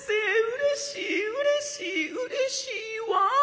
うれしいうれしいうれしいわ」。